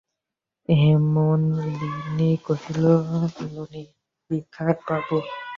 হেমনলিনী কহিল, নলিনাক্ষবাবু!